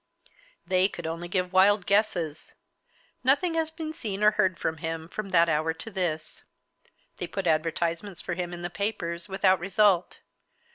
They could only give wild guesses. Nothing has been seen or heard of him from that hour to this. They put advertisements for him in the papers, without result.